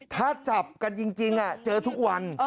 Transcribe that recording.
ถ้าจับกันจริงเจอทุกวัน